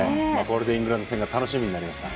これでイングランド戦が楽しみになりました。